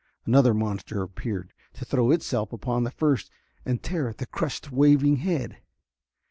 Another monster appeared, to throw itself upon the first and tear at the crushed, waving head.